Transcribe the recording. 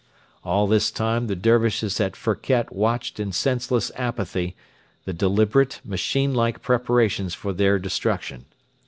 All this time the Dervishes at Firket watched in senseless apathy the deliberate, machine like preparations for their destruction.